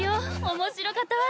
面白かったわ！